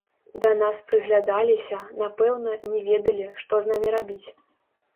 Да нас прыглядаліся, напэўна, не ведалі, што з намі рабіць.